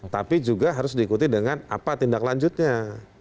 tapi juga harus diikuti dengan apa tindak lanjutnya